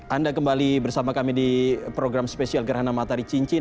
anda kembali bersama kami di program spesial gerhana matahari cincin